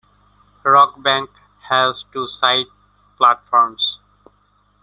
Rockbank has two side platforms.